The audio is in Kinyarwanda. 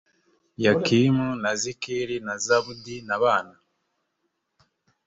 yakimu na zikiri na zabudi na bana